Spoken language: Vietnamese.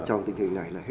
cái thứ hai nữa là họ